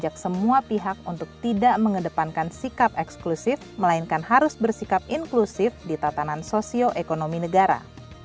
diajak semua pihak untuk tidak mengedepankan sikap eksklusif melainkan harus bersikap inklusif di tatanan sosioekonomi negara